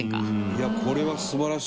いやこれは素晴らしい。